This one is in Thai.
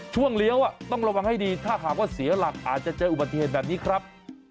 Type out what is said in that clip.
เลี้ยวต้องระวังให้ดีถ้าหากว่าเสียหลักอาจจะเจออุบัติเหตุแบบนี้ครับ